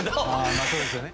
まあそうですよね。